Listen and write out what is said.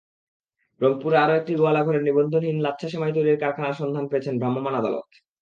রংপুরে আরও একটি গোয়ালঘরে নিবন্ধনহীন লাচ্ছা সেমাই তৈরির কারখানার সন্ধান পেয়েছেন ভ্রাম্যমাণ আদালত।